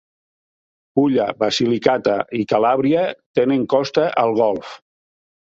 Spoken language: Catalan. Pulla, Basilicata i Calàbria tenen costa al golf.